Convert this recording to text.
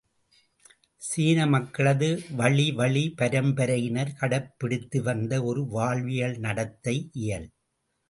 சீன மக்களது வழி வழி பரம்பரையினர் கடைப்பிடித்து வந்த ஒரு வாழ்வியல் நடத்தை இயல்!